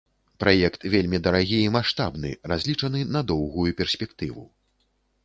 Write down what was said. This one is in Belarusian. Праект вельмі дарагі і маштабны, разлічаны на доўгую перспектыву.